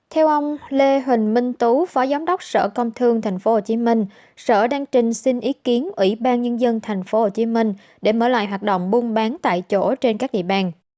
theo ông lê huỳnh minh tú phó giám đốc sở công thương tp hcm sở đang trình xin ý kiến ủy ban nhân dân tp hcm để mở lại hoạt động buôn bán tại chỗ trên các địa bàn